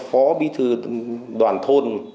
nó là phó bí thư đoàn thôn